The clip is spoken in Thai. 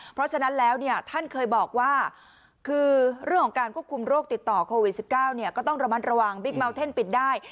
เพราะฉะนั้นแล้วเนี่ยท่านเคยบอกว่าคือเรื่องของการควบคุมโรคติดต่อโควิด๑๙ก็ต้องระมัดระวังบิ๊กเมาเท่นปิดได้